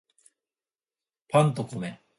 パンと米